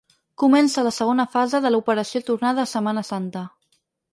Comença la segona fase de l’operació tornada de Setmana Santa.